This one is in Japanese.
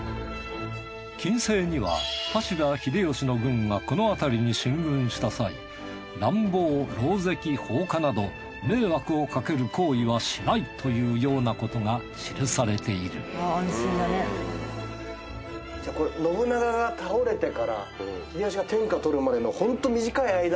禁制には羽柴秀吉の軍がこの辺りに進軍した際乱暴・狼藉・放火など迷惑をかける行為はしないというようなことが記されている信長が倒れてから秀吉が天下取るまでのホント短い間。